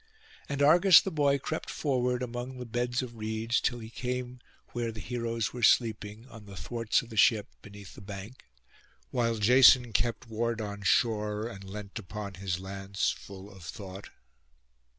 And Argus the boy crept forward, among the beds of reeds, till he came where the heroes were sleeping, on the thwarts of the ship, beneath the bank, while Jason kept ward on shore, and leant upon his lance full of thought.